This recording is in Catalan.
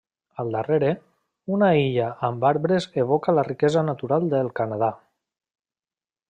Al darrere, una illa amb arbres evoca la riquesa natural del Canadà.